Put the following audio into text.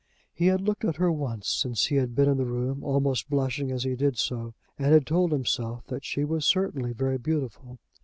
He had looked at her once since he had been in the room, almost blushing as he did so, and had told himself that she was certainly very beautiful.